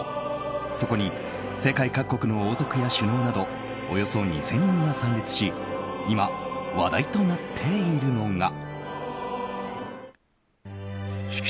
そこに世界各国の王族や首脳などおよそ２０００人が参列し今、話題となっているのが。